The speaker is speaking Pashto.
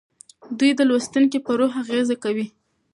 دوی د لوستونکي په روح اغیز کوي.